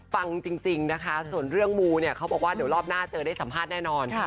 ฟังจริงนะคะส่วนเรื่องมูเนี่ยเขาบอกว่าเดี๋ยวรอบหน้าเจอได้สัมภาษณ์แน่นอน